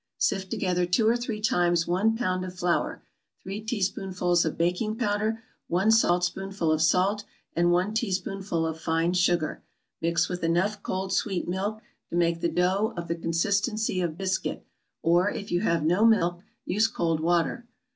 = Sift together two or three times one pound of flour, three teaspoonfuls of baking powder, one saltspoonful of salt, and one teaspoonful of fine sugar; mix with enough cold sweet milk to make the dough of the consistency of biscuit; or, if you have no milk, use cold water.